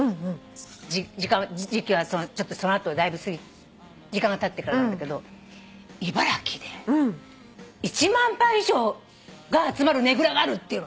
時間時期はその後だいぶ時間がたってからなんだけど茨城で１万羽以上が集まるねぐらがあるっていうの。